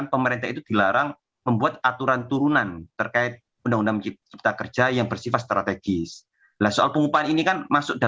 pemerintah jawa timur mengundang keputusan pmbk